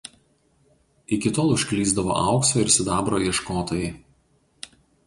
Iki tol užklysdavo aukso ir sidabro ieškotojai.